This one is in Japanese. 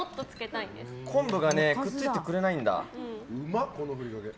昆布がくっついてくれないんだ。